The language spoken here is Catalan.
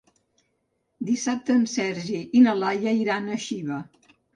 Dissabte en Sergi i na Laia iran a Xiva.